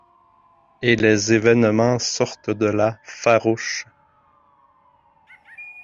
Et les événements sortent de là, farouches :